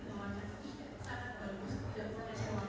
dan mengawarkan pelaksanaan urusan ini